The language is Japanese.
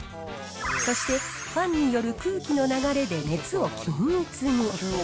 そしてファンによる空気の流れで熱を均一に。